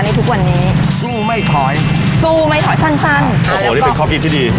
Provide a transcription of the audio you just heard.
ในทุกวันนี้สู้ไม่ถอยสู้ไม่ถอยสั้นสั้นโอ้โหนี่เป็นข้อคิดที่ดี